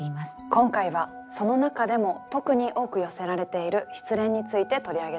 今回はその中でも特に多く寄せられている「失恋」について取り上げたいと思います。